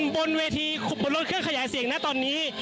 บนเวทีบนรถเครื่องขยายเสียงนะตอนนี้